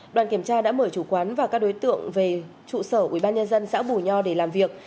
đoàn kiểm tra đã mời chủ quán và các đối tượng về trụ sở ubnd xã bù nho để làm việc